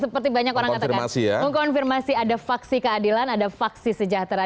mengkonfirmasi ada faksi keadilan ada faksi sejahtera